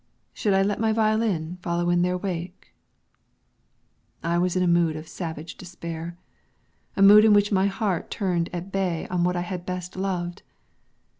Should I let my violin follow in their wake? I was in a mood of savage despair; a mood in which my heart turned at bay on what I had best loved.